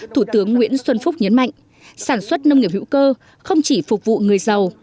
thủ tướng nguyễn xuân phúc nhấn mạnh sản xuất nông nghiệp hữu cơ không chỉ phục vụ người giàu